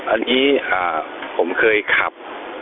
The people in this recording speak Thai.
อันนี้ผมเคยขับ